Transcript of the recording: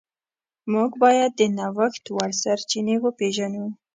موږ باید د نوښت وړ سرچینې وپیژنو.